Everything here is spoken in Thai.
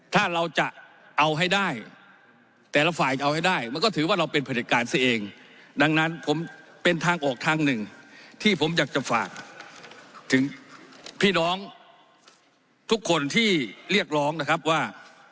ถ้าเราจะเอาให้ได้แต่ละฝ่ายเอาให้ได้มันก็ถือว่าเราเป็นผลิตการซะเองดังนั้นผมเป็นทางออกทางหนึ่งที่ผมอยากจะฝากถึงพี่น้องทุกคนที่เรียกร้องนะครับว่า